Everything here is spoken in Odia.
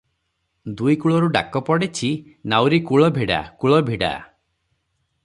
ଦୁଇ କୂଳରୁ ଡାକ ପଡିଛି, "ନାଉରୀ କୂଳ ଭିଡ଼ା, କୂଳ ଭିଡ଼ା ।"